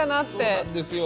そうなんですよ。